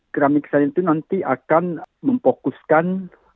keramik sydney itu nanti akan memfokuskan